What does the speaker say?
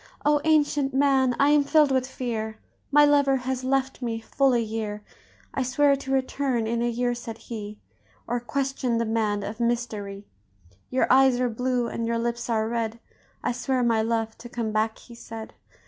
"O, ancient man! I am filled with fear, My lover has left me full a year. 'I swear to return in a year,' said he, 'Or question the man of mystery. Your eyes are blue, and your lips are red; I swear, my love, to come back,' he said.